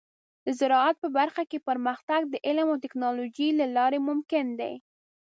د زراعت په برخه کې پرمختګ د علم او ټیکنالوجۍ له لارې ممکن دی.